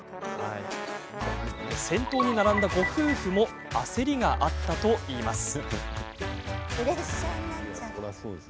先頭に並んだご夫婦も焦りがあったといいます。